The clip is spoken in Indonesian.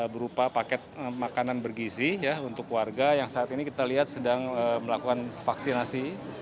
berupa paket makanan bergizi untuk warga yang saat ini kita lihat sedang melakukan vaksinasi